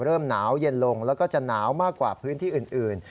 เริ่มหนาวเย็นลงแล้วก็จะหนาวมากกว่าพื้นที่อื่น